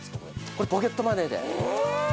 これポケットマネーで。